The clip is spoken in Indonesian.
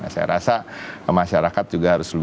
saya rasa masyarakat juga harus